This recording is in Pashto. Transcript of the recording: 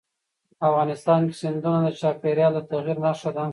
افغانستان کې سیندونه د چاپېریال د تغیر نښه ده.